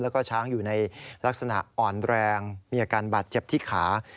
แล้วก็ช้างอยู่ในลักษณะอ่อนแรงมีอาการบาดเจ็บที่ขา